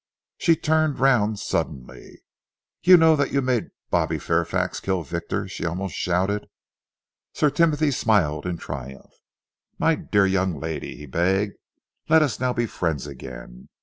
She turned around suddenly. "You know that you made Bobby Fairfax kill Victor!" she almost shouted. Sir Timothy smiled in triumph. "My dear young lady," he begged, "let us now be friends again.